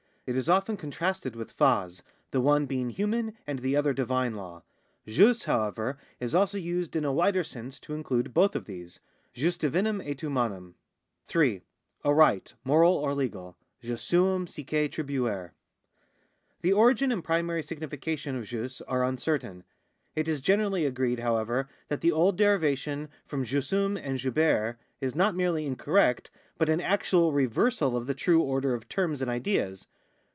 Jt is often contrasted with /«.s', the one being human and the other divine law. Jus, however, is also used in a wider sense to include both of these — jus dmnuni et liumanum. 'i. A right, moral or legal : jus suum cuique Iribuere." The origin and primary signification of jus are uncertain. It is generally agreed, however, that the old derivation from jussuin and juhere is not merel}^ incorrect, but an actual reversal of the tnie order of terms and ideas.